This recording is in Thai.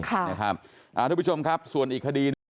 ทุกผู้ชมครับส่วนอีกคดี